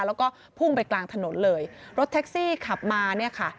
แล้วก็พุ่งไปกลางถนนเลยรถแท็กซี่ขับมาเนี่ยค่ะ